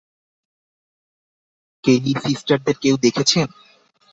কেলি সিস্টারদের কেউ দেখেছেন?